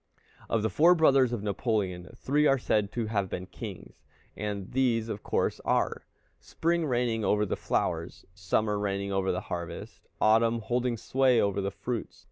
Of the four brothers of Napoleon, three are said to have been kings, and these of course are, Spring reigning over the flowers, Summer reigning over the harvest, Autumn holding sway over the fruits.